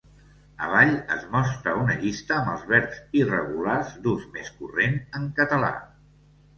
Avall es mostra una llista amb els verbs irregulars d'ús més corrent en català.